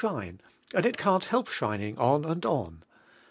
I Nil shine, and it ean't help shining on and on.